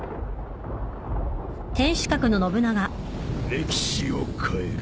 歴史を変える。